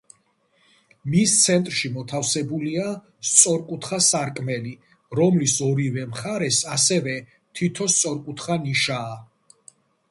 მის ცენტრში მოთავსებულია სწორკუთხა სარკმელი, რომლის ორივე მხარეს ასევე თითო სწორკუთხა ნიშაა.